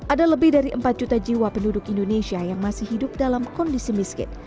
ada lebih dari empat juta jiwa penduduk indonesia yang masih hidup dalam kondisi miskin